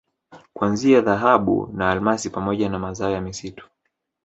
kuanzia Dhahabu na Almasi pamoja na mazao ya misitu